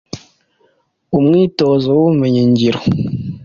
Umwitozo w’ubumenyi ngiro